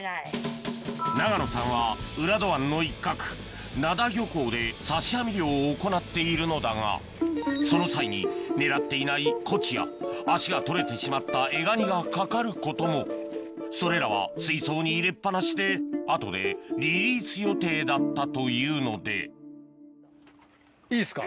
永野さんは浦戸湾の一角灘漁港で刺し網漁を行っているのだがその際に狙っていないコチや足が取れてしまったエガニがかかることもそれらは水槽に入れっ放しで後でリリース予定だったというのでいいですか？